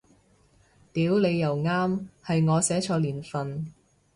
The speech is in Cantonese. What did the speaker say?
屌你又啱，係我寫錯年份